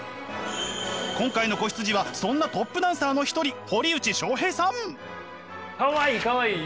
今回の子羊はそんなトップダンサーの一人「かわいいかわいい」